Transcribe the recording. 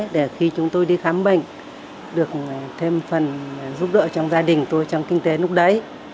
để khi chúng tôi đi khám bệnh được thêm phần giúp đỡ trong gia đình tôi trong kinh tế lúc đấy